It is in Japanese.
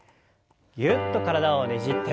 ぎゅっと体をねじって。